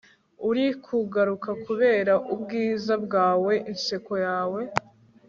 urikugaruka kubera ubwiza bwawe inseko yawe